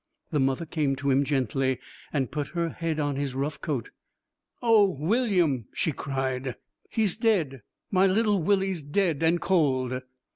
The mother came to him gently and put her head on his rough coat. 'O William,' she cried, 'he's dead; my little Willie's dead and cold.